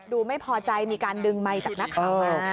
ดูไม่พอใจมีการดึงไมค์จากนักข่าวมา